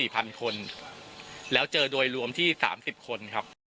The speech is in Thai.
๓๔พันคนแล้วเจอโดยรวมที่๓๐คน